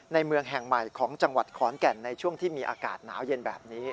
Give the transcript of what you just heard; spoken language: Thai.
เมืองแห่งใหม่ของจังหวัดขอนแก่นในช่วงที่มีอากาศหนาวเย็นแบบนี้